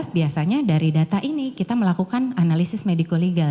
biasanya dari data ini kita melakukan analisis medico legal